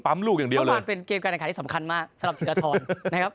เมื่อวานเป็นเกมการอังกษาที่สำคัญมากสำหรับชีวิตละทอน